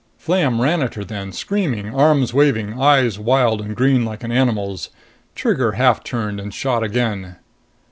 Flam ran at her then, screaming, arms waving, eyes wild and green like an animal's. Trigger half turned and shot again.